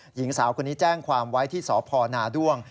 หญิงสาวคนนี้แจ้งความไว้ที่สพนาด้วง